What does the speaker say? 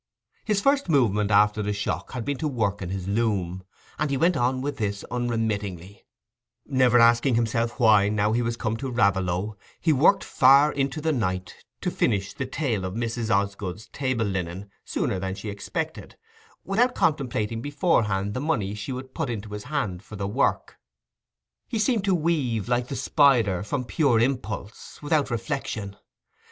His first movement after the shock had been to work in his loom; and he went on with this unremittingly, never asking himself why, now he was come to Raveloe, he worked far on into the night to finish the tale of Mrs. Osgood's table linen sooner than she expected—without contemplating beforehand the money she would put into his hand for the work. He seemed to weave, like the spider, from pure impulse, without reflection.